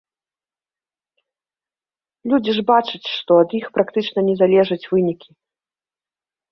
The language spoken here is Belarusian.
Людзі ж бачаць, што ад іх практычна не залежаць вынікі.